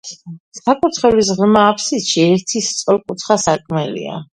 საკურთხევლის ღრმა აფსიდში ერთი სწორკუთხა სარკმელია.